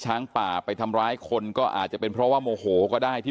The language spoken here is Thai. ช้างป่าไปทำร้ายคนก็อาจจะเป็นเพราะว่าโมโหก็ได้ที่